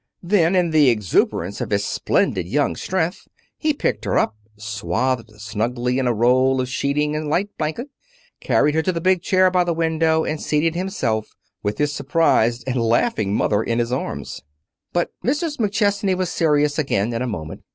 Then, in the exuberance of his splendid young strength, he picked her up, swathed snugly in a roll of sheeting and light blanket, carried her to the big chair by the window, and seated himself, with his surprised and laughing mother in his arms. But Mrs. McChesney was serious again in a moment.